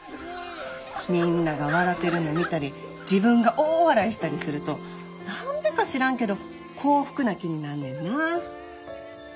みんなが笑てるの見たり自分が大笑いしたりすると何でか知らんけど幸福な気になんねんな。